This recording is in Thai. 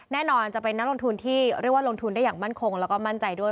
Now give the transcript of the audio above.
แน่นอนจะเป็นนักลงทุนที่เรียกว่าลงทุนได้อย่างมั่นคงแล้วก็มั่นใจด้วย